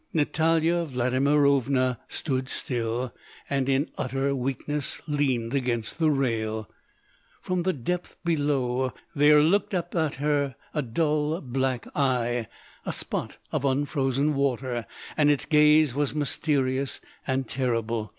Natalya Vladimirovna stood still, and in utter weakness leaned against the rail. From the depth below there looked up at her a dull black eye—a spot of unfrozen water—and its gaze was mysterious and terrible.